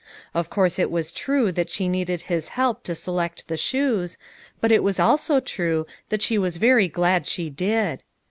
Of course it was true that she needed his help to select the shoes, but it was also true that she was very glad she did.